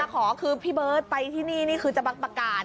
ถ้าขอพี่เบิร์ตกลับไปแบบนี้นี่คือจะบักบักกาล